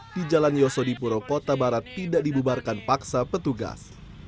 di jalan yosodipuro kota barat tidak dibubarkan paksa petugas